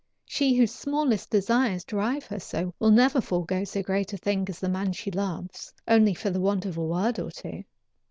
She whose smallest desires drive her so, will never forego so great a thing as the man she loves only for the want of a word or two."